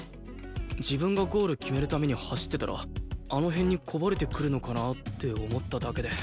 自分がゴール決めるために走ってたらあの辺にこぼれてくるのかなぁって思っただけで。